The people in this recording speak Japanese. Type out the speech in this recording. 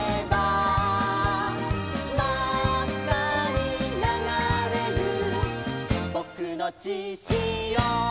「まっかにながれるぼくのちしお」